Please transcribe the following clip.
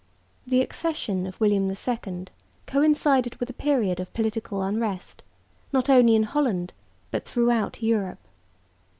The accession of William II coincided with a period of political unrest, not only in Holland but throughout Europe.